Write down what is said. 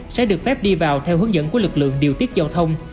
sẽ được phép đi vào theo hướng dẫn của lực lượng điều tiết giao thông